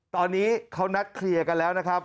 ตอนนี้เขานัดเคลียร์กันแล้วนะครับ